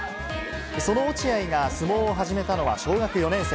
その落合が相撲を始めたのは小学４年生。